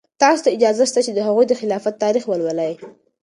تاسو ته اجازه شته چې د هغوی د خلافت تاریخ ولولئ.